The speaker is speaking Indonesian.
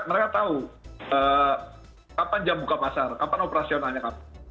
mereka tahu kapan jam buka pasar kapan operasionalnya kapan